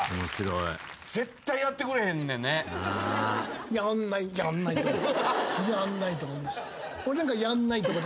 俺やんないとかね。